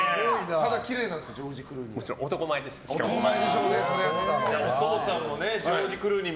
肌きれいなんですかジョージ・クルーニー。